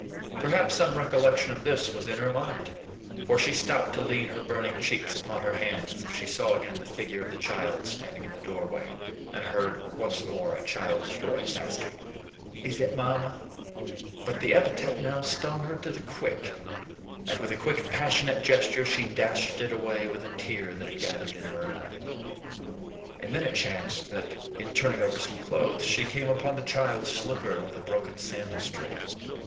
Perhaps some recollection of this was in her mind; for she stopped to lean her burning cheeks upon her hand, as if she saw again the figure of the child standing in the doorway, and heard once more a childish voice asking, "Is it Mamma?" But the epithet now stung her to the quick, and with a quick, passionate gesture she dashed it away with a tear that had gathered in her eye. And then it chanced that, in turning over some clothes, she came upon the child's slipper with a broken sandal string.